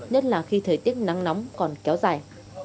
nhất là khi thời tiết nắng nóng còn kéo dài